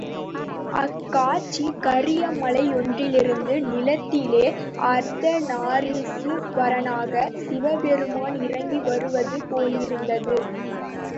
அக் காட்சி, கரிய மலை யொன்றிலிருந்து நிலத்திலே அர்த்தநாரீசுவரனாகச் சிவபெருமான் இறங்கி வருவதுபோலிருந்தது.